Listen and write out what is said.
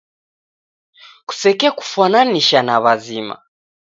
Kusekekufwananisha na w'azima.